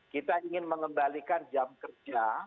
kita ingin mengembalikan jam kerja